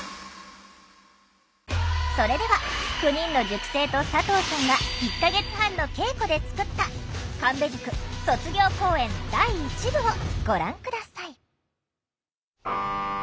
それでは９人の塾生と佐藤さんが１か月半の稽古で作った「神戸塾卒業公演第１部」をご覧下さい。